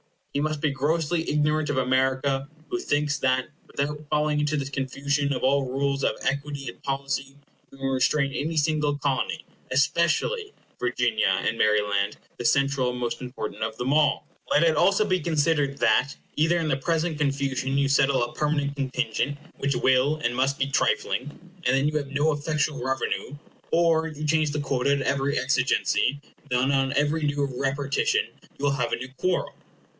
He must be grossly ignorant of America who thinks that, without falling into this confusion of all rules of equity and policy, you can restrain any single Colony, especially Virginia and Maryland, the central and most important of them all. Let it also be considered that, either in the present confusion you settle a permanent contingent, which will and must be trifling, and then you have no effectual revenue; or you change the quota at every exigency, and then on every new repartition you will have a new quarrel.